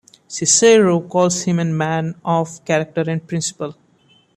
Cicero calls him a man of character and principle.